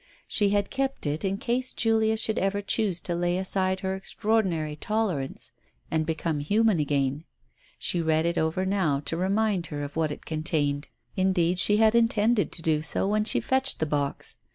She had kept it in case Julia should ever choose to lay aside her extraordinary tolerance and become human again. She read it over now to remind her of what it contained. Indeed she had intended to do so when she fetched the box.